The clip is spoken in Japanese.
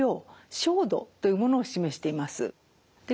照度というものを示しています。